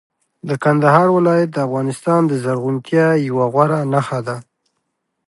د کندهار ولایت د افغانستان د زرغونتیا یوه غوره نښه ده.